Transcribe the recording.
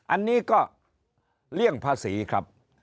อันนี้ก็เลี่ยงภาษีครับ